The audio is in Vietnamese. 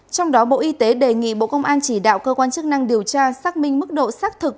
trong đó bộ y tế đề nghị bộ công an chỉ đạo cơ quan chức năng điều tra xác minh mức độ xác thực